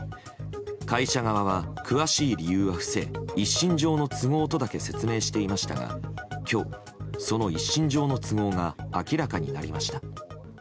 会社側は、詳しい理由は伏せ一身上の都合とだけ説明していましたが今日、その一身上の都合が明らかになりました。